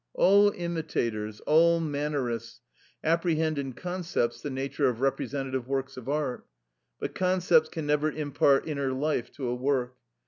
All imitators, all mannerists, apprehend in concepts the nature of representative works of art; but concepts can never impart inner life to a work.